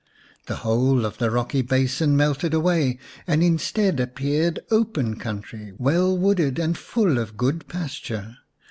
The whole of the rocky basin melted away and instead appeared open country, well wooded and full of good pasture.